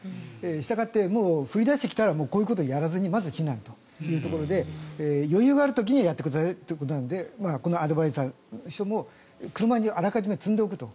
したがってもう降りだしてきたらこういうことはやらないでまず避難というところで余裕がある時にやってくださいということなのでこのアドバイザーの人も車にあらかじめ積んでおくと。